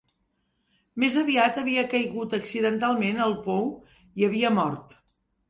Més aviat havia caigut accidentalment al pou i havia mort.